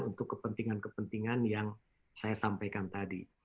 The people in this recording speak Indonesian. untuk kepentingan kepentingan yang saya sampaikan tadi